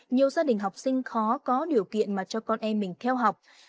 nhiều gia đình học sinh khó có điều kiện mà cho con em mình theo học